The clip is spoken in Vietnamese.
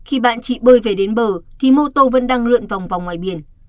khi bạn chị bơi về đến bờ thì mô tô vẫn đang lượn vòng vòng ngoài biển